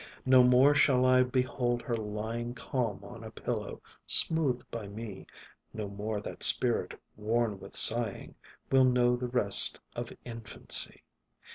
No more shall I behold her lying Calm on a pillow, smoothed by me; No more that spirit, worn with sighing, Will know the rest of infancy.